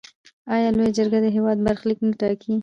آیا لویه جرګه د هیواد برخلیک نه ټاکي؟